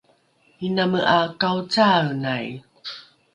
iname ’a kaocaaenai